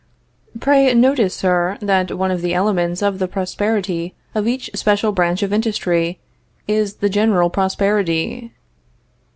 Pray, notice, sir, that one of the elements of the prosperity of each special branch of industry is the general prosperity.